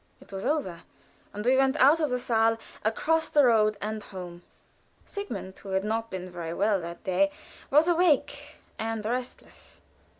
It was over, and we went out of the saal, across the road, and home. Sigmund, who had not been very well that day, was awake, and restless.